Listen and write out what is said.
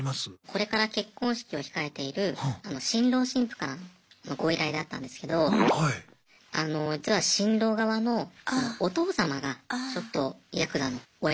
これから結婚式を控えている新郎新婦からのご依頼だったんですけどあの実は新郎側のお父様がちょっとヤクザのお偉